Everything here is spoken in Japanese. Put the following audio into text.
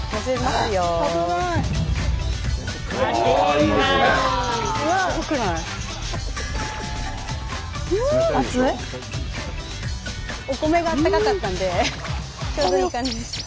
スタジオお米があったかかったんでちょうどいい感じでした。